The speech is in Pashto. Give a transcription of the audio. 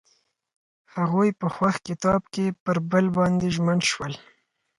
هغوی په خوښ کتاب کې پر بل باندې ژمن شول.